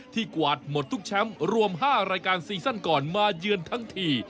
กวาดหมดทุกแชมป์รวม๕รายการซีซั่นก่อนมาเยือนทั้งที